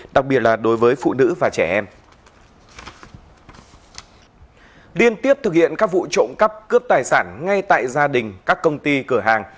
điên tiếp thực hiện các vụ trộm cắp cướp tài sản ngay tại gia đình các công ty cửa hàng